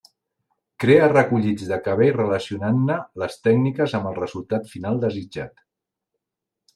Crea recollits de cabell relacionant-ne les tècniques amb el resultat final desitjat.